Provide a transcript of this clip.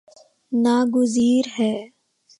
نا گزیر ہے